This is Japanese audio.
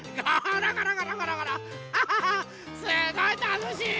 すごいたのしい！